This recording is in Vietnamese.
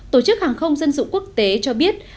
tổ chức hàng không dân dụng quốc tế cho biết